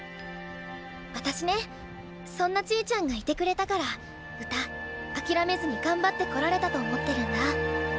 私ねそんなちぃちゃんがいてくれたから歌諦めずに頑張ってこられたと思ってるんだ。